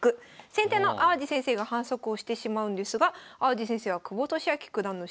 先手の淡路先生が反則をしてしまうんですが淡路先生は久保利明九段の師匠。